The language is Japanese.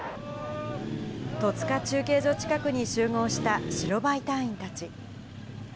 戸塚中継所近くに集合した白バイ隊員たち。